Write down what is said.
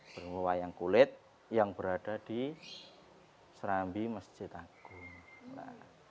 berwayang kulit yang berada di serambi masjid agung